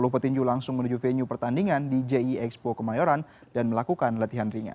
sepuluh petinju langsung menuju venue pertandingan di jie expo kemayoran dan melakukan latihan ringan